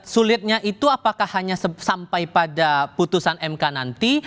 sulitnya itu apakah hanya sampai pada putusan mk nanti